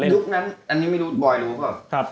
แล้วลูกนั้นอันนี้ไม่รู้บอยรู้หรือเปล่า